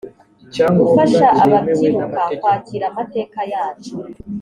gufasha ababyiruka kwakira amateka yacu